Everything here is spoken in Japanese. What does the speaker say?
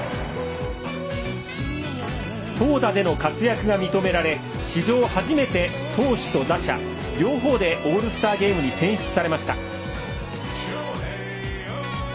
投打での活躍が認められ史上初めて投手と打者両方でオールスターゲームに選出されました。